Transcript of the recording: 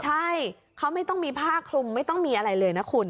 ใช่เขาไม่ต้องมีผ้าคลุมไม่ต้องมีอะไรเลยนะคุณ